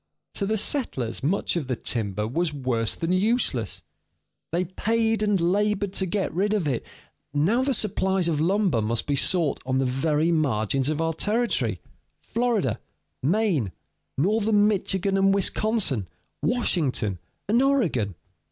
To the settlers much of the timber was worse than useless; they paid and labored to get rid of it; now the supplies of lumber must be sought on the very margins of our territory: Florida, Maine, northern Michigan and Wisconsin, Washington, and Oregon.